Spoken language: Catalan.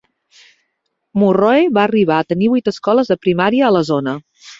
Murroe va arribar a tenir vuit escoles de primària a la zona.